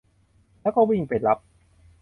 แล้วก็วิ่งไปรับ